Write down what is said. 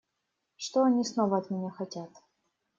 Что они снова от меня хотят?